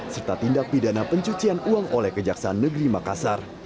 serta tindak pidana pencucian uang oleh kejaksaan negeri makassar